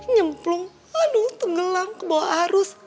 nyemplung aduh tenggelam ke bawah arus